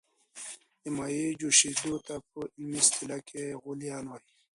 د مایع جوشیدو ته په علمي اصطلاح کې غلیان وايي.